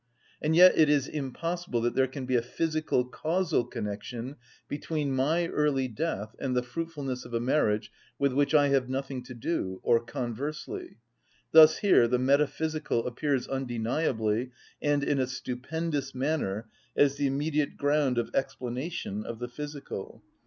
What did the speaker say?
And yet it is impossible that there can be a physical causal connection between my early death and the fruitfulness of a marriage with which I have nothing to do, or conversely. Thus here the metaphysical appears undeniably and in a stupendous manner as the immediate ground of explanation of the physical.